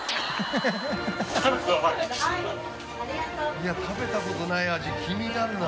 いや食べたことない味気になるな。